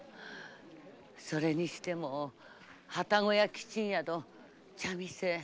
それにしても旅籠や木賃宿茶店